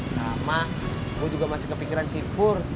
nah mak kamu juga masih kepikiran sipur